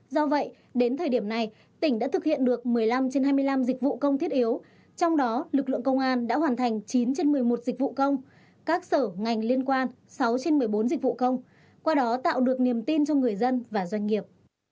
do vậy đến thời điểm này tỉnh đã thực hiện được một mươi năm trên hai mươi năm dịch vụ công thiết yếu trong đó lực lượng công an đã hoàn thành chín trên một mươi một dịch vụ công các sở ngành liên quan sáu trên một mươi bốn dịch vụ công qua đó tạo được niềm tin cho người dân và doanh nghiệp